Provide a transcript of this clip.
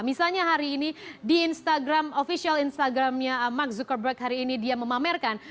misalnya hari ini di instagram official instagramnya mark zuckerberg hari ini dia memamerkan